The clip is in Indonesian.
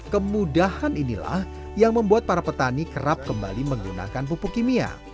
kemudahan inilah yang membuat para petani kerap kembali menggunakan pupuk kimia